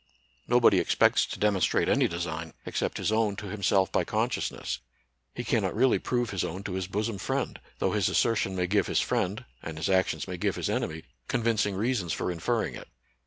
Nobody expects to demonstrate any design, except his own to himself by consciousness ; he cannot really prove his own to his bosom friend; though his assertion may give his friend, and his actions may give his enemy, convincing reasons for inferring it.